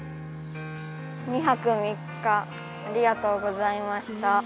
２泊３日ありがとうございました。